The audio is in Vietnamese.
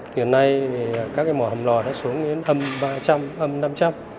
hiện nay thì các mỏ hầm lò đã xuống đến âm ba trăm linh âm năm trăm linh